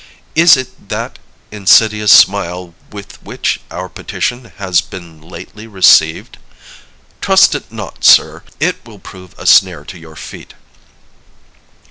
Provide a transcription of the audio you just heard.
Is it that insidious smile with which our petition has been lately received? Trust it not, sir; it will prove a snare to your feet.